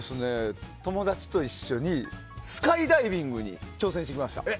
友達と一緒にスカイダイビングに挑戦してきました。